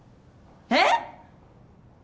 えっ！？